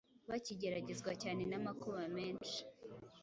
Bakigeragezwa cyane n’amakuba menshi,